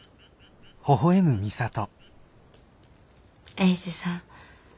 英治さん。